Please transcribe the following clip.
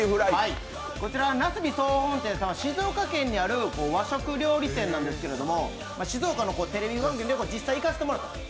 なすび総本店さんは静岡県にある和食料理店なんですけど静岡のテレビ番組でも実際に行かせていただいたんです。